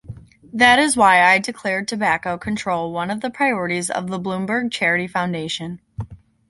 That is why I declared tobacco control one of the priorities of the Bloomberg charity foundation.